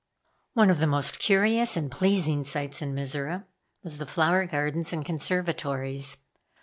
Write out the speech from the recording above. One of the most curious and pleasing sights in Mizora was the flower gardens and conservatories.